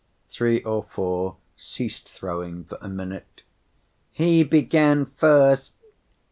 Three or four ceased throwing for a minute. "He began first!"